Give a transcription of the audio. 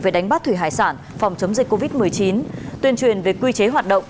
về đánh bắt thủy hải sản phòng chống dịch covid một mươi chín tuyên truyền về quy chế hoạt động